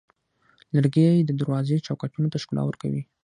لرګی د دروازو چوکاټونو ته ښکلا ورکوي.